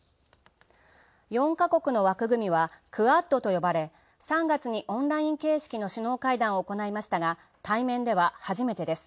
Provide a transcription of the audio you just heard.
４か国の枠組みはクアッドと呼ばれ、３月にオンライン形式の首脳会談を行いましたが対面でははじめてです。